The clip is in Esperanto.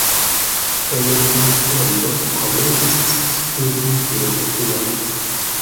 En Bruselo komencis studi filozofion.